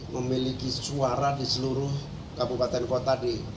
memiliki suara di seluruh kabupaten kota di